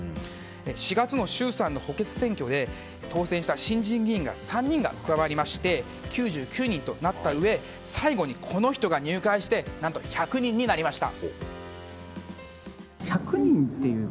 ４月の衆参補欠選挙で当選した新人議員ら３人が加わりまして９９人となったうえ最後に、この人が入会して何と１００人になりました。